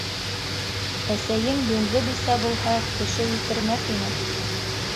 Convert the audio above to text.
Әсәйең йүнле бисә булһа, кеше үлтермәҫ ине.